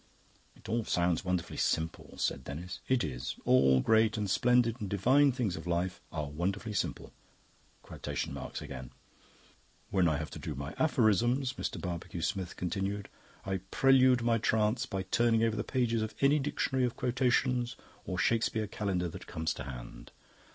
"It all sounds wonderfully simple," said Denis. "It is. All the great and splendid and divine things of life are wonderfully simple." (Quotation marks again.) "When I have to do my aphorisms," Mr. Barbecue Smith continued, "I prelude my trance by turning over the pages of any Dictionary of Quotations or Shakespeare Calendar that comes to hand.